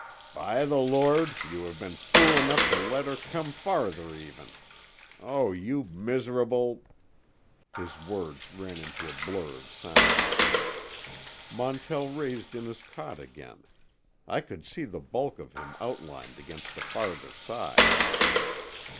"By the Lord, you have been fool enough to let her come farther even! Oh, you miserable——" His words ran into a blur of sound. Montell raised in his cot again. I could see the bulk of him outlined against the farther side.